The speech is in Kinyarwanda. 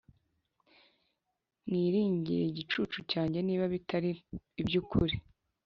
mwiringire igicucu cyanjye Niba bitari iby ukuri